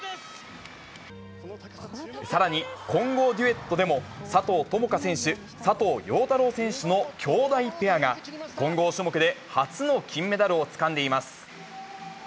さらに混合デュエットでも、佐藤友花選手・佐藤陽太郎選手のきょうだいペアが、混合種目で初の金メダルをつかんでいます。